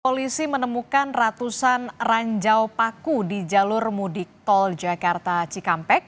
polisi menemukan ratusan ranjau paku di jalur mudik tol jakarta cikampek